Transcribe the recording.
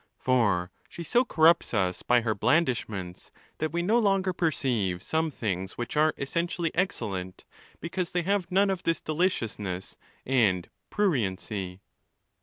For she so corrupts us by her blandishments, that we no longer perceive some things which are essentially excellent, because they have none of this deliciousness and pruriency.